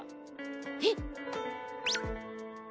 えっ？